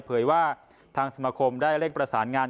เผยว่าทางสมาคมได้เร่งประสานงาน